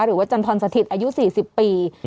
หรือว่าจันทรสถิตอายุ๔๐ปี